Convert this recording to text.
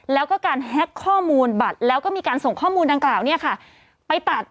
แล้วก็การแฮ็กข้อมูลบัตรแล้วก็มีการส่งข้อมูลดังกล่าวเนี่ยค่ะไปตัด